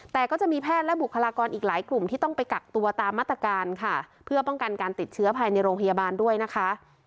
แต่ก็จะมีแพทย์และบุคลากรอีกหลายกลุ่มที่ต้องไปกักตัวตามมาตรการค่ะเพื่อป้องกันการติดเชื้อภายในโรงพยาบาลด้วยนะคะ